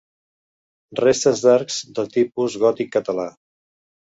Restes d'arcs de tipus gòtic català.